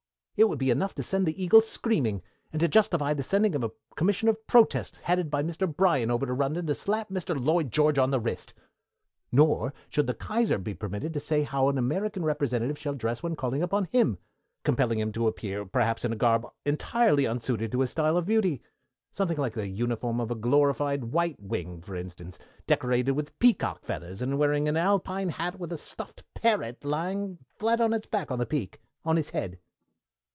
It would be enough to set the eagle screaming and to justify the sending of a Commission of Protest headed by Mr. Bryan over to London to slap Mr. Lloyd George on the wrist. Nor should the Kaiser be permitted to say how an American representative shall dress when calling upon him, compelling him to appear perhaps in a garb entirely unsuited to his style of beauty something like the uniform of a glorified White Wing, for instance, decorated with peacock feathers, and wearing an alpine hat with a stuffed parrot lying flat on its back on the peak, on his head.